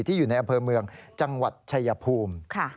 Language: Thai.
อยู่ในอำเภอเมืองจังหวัดชายภูมิ